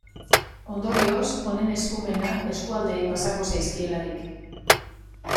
Ondorioz, honen eskumenak eskualdeei pasako zizkielarik.